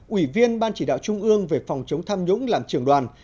ủy viên ban chỉ đạo trung ương về phòng chống tham nhũng làm trưởng đoàn